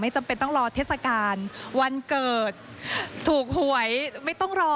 จำเป็นต้องรอเทศกาลวันเกิดถูกหวยไม่ต้องรอ